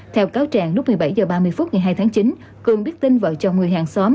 theo cáo trạng lúc một mươi bảy h ba mươi phút ngày hai tháng chín cường biết tin vợ chồng người hàng xóm